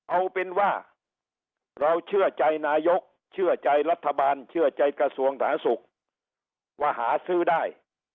เอาเป็นว่าเราเชื่อใจนายกเชื่อใจรัฐบาลเชื่อใจกระทรวงสาธารณสุขว่าหาซื้อได้